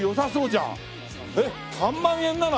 えっ３万円なの？